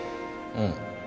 うん。